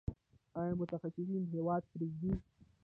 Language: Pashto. آیا متخصصین هیواد پریږدي؟